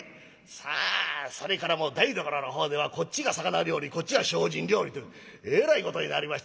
さあそれからもう台所のほうではこっちが魚料理こっちは精進料理というえらいことになりまして。